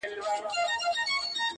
په شپږمه ورځ نجلۍ نه مري نه هم ښه کيږي,